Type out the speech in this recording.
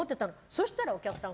そしたら、お客さん